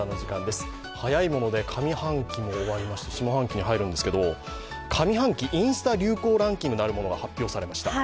早いもので上半期も終わりまして下半期に入るんですけど、上半期、インスタ流行ランキングなるものが発表されました。